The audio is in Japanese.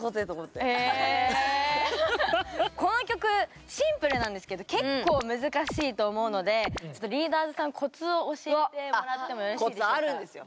この曲シンプルなんですけど結構難しいと思うのでちょっとリーダーズさんあっコツあるんですよ。